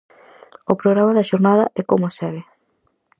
O programa da xornada é coma segue: